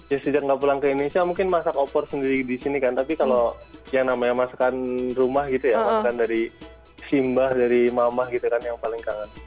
ya sejak nggak pulang ke indonesia mungkin masak opor sendiri di sini kan tapi kalau yang namanya masakan rumah gitu ya masakan dari simbah dari mamah gitu kan yang paling kangen